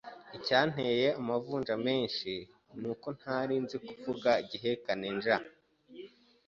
Icyanteye amavunja menshi rero nuko ntarinzi kuvuga igihekane Nj